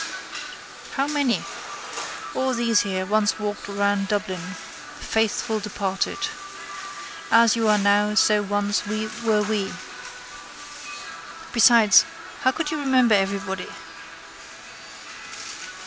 How many! All these here once walked round Dublin. Faithful departed. As you are now so once were we. Besides how could you remember everybody?